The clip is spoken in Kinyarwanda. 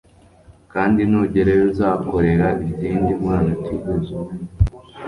kandi nugerayo uzakorera izindi mana utigeze umenya